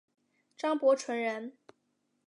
张伯淳人。